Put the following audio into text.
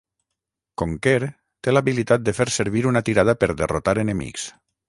Conker té l'habilitat de fer servir una tirada per derrotar enemics.